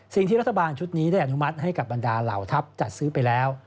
สิ่งที่รัฐบาลชุดนี้ได้อนุมัติให้กับบรรดาเหล่าทัพจัดซื้อไปแล้ว